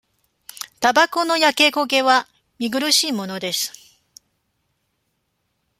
たばこの焼け焦げは、見苦しいものです。